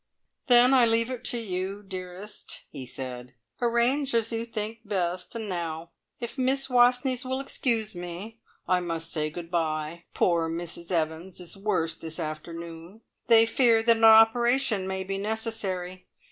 "Then I leave it to you, dearest," he said. "Arrange as you think best. And now, if Miss Wastneys will excuse me, I must say good bye. Poor Mrs Evans is worse this afternoon. They fear that an operation may be necessary.